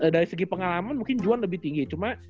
dari segi pengalaman mungkin juan lebih tinggi cuma